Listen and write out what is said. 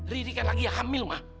riri kan lagi hamil ma